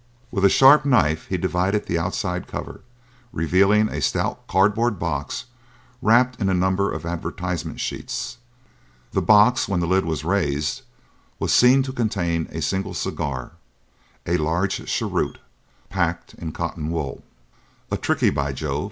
With a sharp knife he divided the outside cover, revealing a stout cardboard box wrapped in a number of advertisement sheets. The box, when the lid was raised, was seen to contain a single cigar a large cheroot packed in cotton wool. "A 'Trichy,' by Jove!"